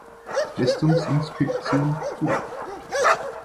Festungsinspektion zurück.